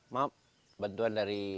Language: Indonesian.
maaf bantuan dari